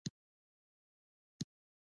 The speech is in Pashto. په بندر کې دا دی شو لنګر اندازه